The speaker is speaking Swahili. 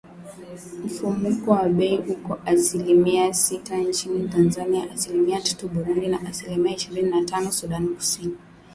Mfumuko wa bei uko asilimia sita nchini Tanzania, asilimia tatu Burundi na asilimia ishirini na tano Sudan Kusini ukilinganisha na Kongo